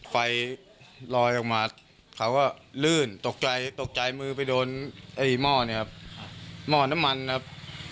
ไฟลอยออกมาเขาก็ลื่นตกใจมือไปโดนม่อน้ำมันครับ